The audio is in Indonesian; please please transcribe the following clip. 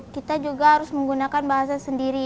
kita juga harus menggunakan bahasa sendiri